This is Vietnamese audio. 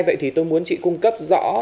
vậy thì tôi muốn chị cung cấp rõ